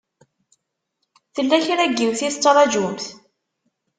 Tella kra n yiwet i tettṛajumt?